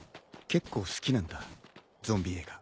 結構好きなんだゾンビ映画。